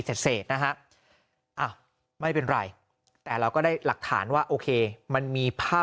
เสร็จนะฮะอ้าวไม่เป็นไรแต่เราก็ได้หลักฐานว่าโอเคมันมีภาพ